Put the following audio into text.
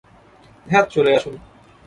ধ্যাৎ, চলে আসুন।